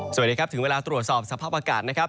สวัสดีครับถึงเวลาตรวจสอบสภาพอากาศนะครับ